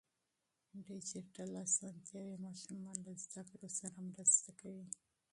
ډیجیټل وسایل ماشومان له زده کړو سره مرسته کوي.